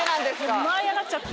もう舞い上がっちゃって。